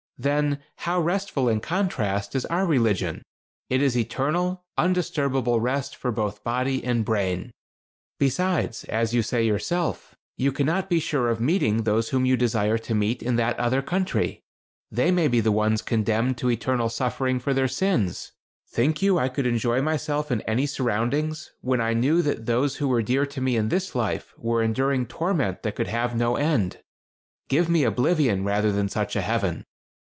Then, how restful, in contrast, is our religion. It is eternal, undisturbable rest for both body and brain. Besides, as you say yourself, you cannot be sure of meeting those whom you desire to meet in that other country. They may be the ones condemned to eternal suffering for their sins. Think you I could enjoy myself in any surroundings, when I knew that those who were dear to me in this life, were enduring torment that could have no end. Give me oblivion rather than such a heaven.